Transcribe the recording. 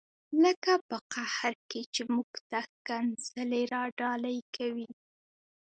لکه په قهر کې چې موږ ته ښکنځلې را ډالۍ کوي.